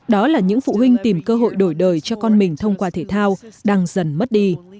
đó là những phụ huynh tìm cơ hội đổi đời cho con mình thông qua thể thao đang dần mất đi